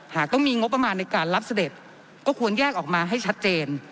หากต้องมีงบประมาณในการรับเสด็จก็ควรแยกออกมาให้ชัดเจน